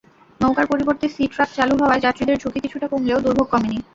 নৌকার পরিবর্তে সি-ট্রাক চালু হওয়ায় যাত্রীদের ঝুঁকি কিছুটা কমলেও দুর্ভোগ কমেনি।